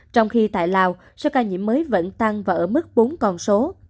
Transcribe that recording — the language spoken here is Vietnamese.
trong khi tại lào số ca nhiễm mới vẫn tăng và ở mức bốn con số